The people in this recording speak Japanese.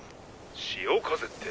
潮風って